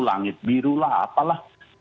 langit biru lah apalah